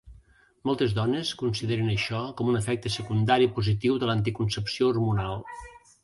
Moltes dones consideren això com un efecte secundari positiu de l'anticoncepció hormonal.